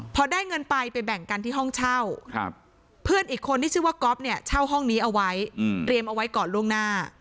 พอได้เงินไปไปแบ่งกันที่ห้องเช่าเพื่อนอีกคนที่ชื่อว่าก๊อฟเนี่ยเช่าห้องนี้เอาไว้เตรียมเอาไว้ก่อนล่วงหน้า